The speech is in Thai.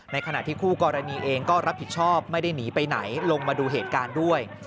ขณะที่คู่กรณีเองก็รับผิดชอบไม่ได้หนีไปไหนลงมาดูเหตุการณ์ด้วย